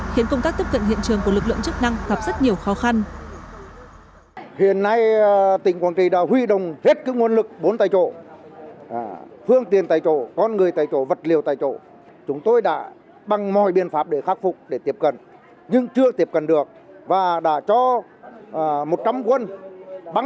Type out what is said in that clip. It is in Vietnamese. khiến công tác tiếp cận hiện trường của lực lượng chức năng gặp rất nhiều khó khăn